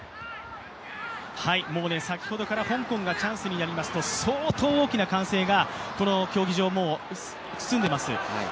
先ほどから香港がチャンスになりますと相当大きな歓声がこの競技場を包んでいます。